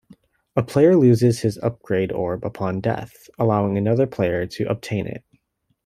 A player loses his upgrade orb upon death, allowing another player to obtain it.